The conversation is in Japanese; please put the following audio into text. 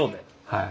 はい。